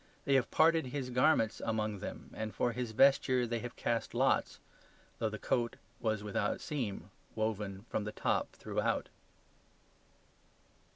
They have parted His garments among them, and for His vesture they have cast lots; though the coat was without seam woven from the top throughout.